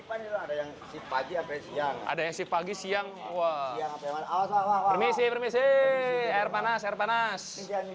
ada yang siang permisi permisi air panas air panas